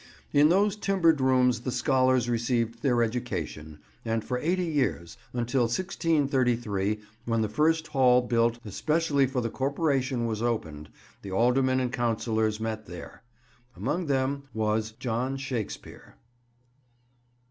In those timbered rooms the scholars received their education, and for eighty years, until 1633, when the first hall built especially for the corporation was opened, the aldermen and councillors met there. Among them was John Shakespeare.